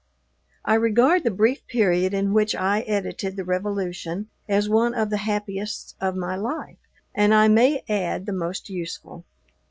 I regard the brief period in which I edited the Revolution as one of the happiest of my life, and I may add the most useful.